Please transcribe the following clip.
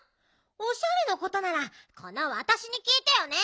おしゃれのことならこのわたしにきいてよね。